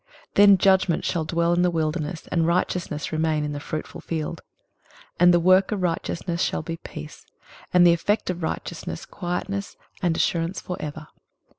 23:032:016 Then judgment shall dwell in the wilderness, and righteousness remain in the fruitful field. 23:032:017 And the work of righteousness shall be peace; and the effect of righteousness quietness and assurance for ever.